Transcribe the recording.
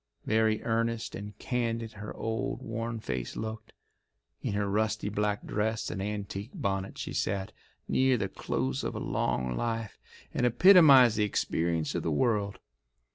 Very earnest and candid her old, worn face looked. In her rusty black dress and antique bonnet she sat, near the close of a long life, and epitomised the experience of the world.